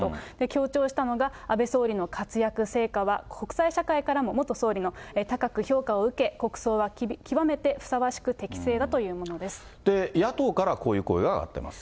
強調したのが、安倍総理の活躍、成果は、国際社会からも、元総理の高く評価を受け、国葬は極めてふさわしく適正だというも野党からこういう声が上がっています。